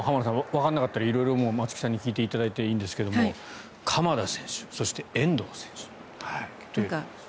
わからなかったら色々松木さんに聞いていただいていいんですが鎌田選手、遠藤選手と。